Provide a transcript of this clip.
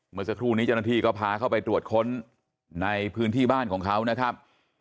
เมื่อสักครู่นี้เจ้าหน้าที่ก็พาเข้าไปตรวจค้นในพื้นที่บ้านของเขานะครับ